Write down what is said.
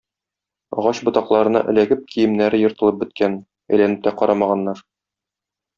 Агач ботакларына эләгеп, киемнәре ертылып беткән, әйләнеп тә карамаганнар.